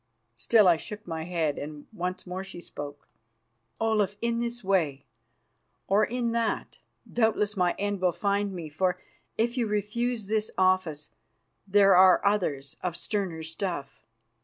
Still I shook my head, and once more she spoke: "Olaf, in this way or in that doubtless my end will find me, for, if you refuse this office, there are others of sterner stuff.